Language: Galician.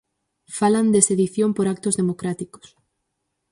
Falan de sedición por actos democráticos.